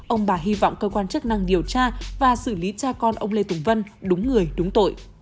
ông bà hy vọng cơ quan chức năng điều tra và xử lý cha con ông lê tùng vân đúng người đúng tội